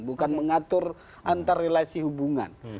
bukan mengatur antar relasi hubungan